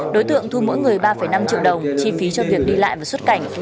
đối tượng thu mỗi người ba năm triệu đồng chi phí cho việc đi lại và xuất cảnh